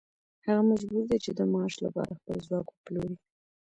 هغه مجبور دی چې د معاش لپاره خپل ځواک وپلوري